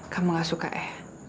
kamu nggak suka ya